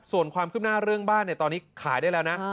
ส่วนความคืบหน้าเรื่องบ้านตอนนี้ขายได้แล้วนะ